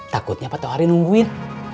takutnya pak tohari nungguin